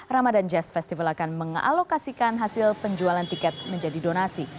ramadan jazz festival akan mengalokasikan hasil penjualan tiket menjadi donasi